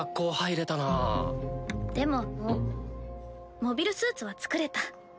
モビルスーツは造れた。